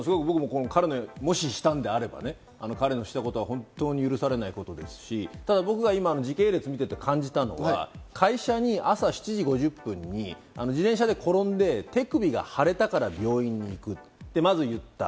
彼がもし、したのであれば、彼のしたことは本当に許されないことですし、ただ僕が時系列を見ていて感じたのは会社に朝７時５０分に自転車で転んで手首が腫れたから病院に行くと、まず言った。